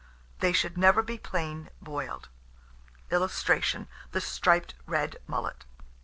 They should never be plain boiled. [Illustration: THE STRIPED RED MULLET.